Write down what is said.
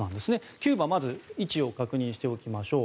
キューバ、まず位置を確認しておきましょう。